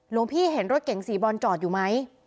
หลวงพี่เห็นรถเก๋งสีบอลจอดอยู่ไหม